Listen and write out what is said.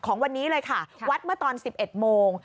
ของวันนี้เลยค่ะวัดเมื่อตอน๑๑โมง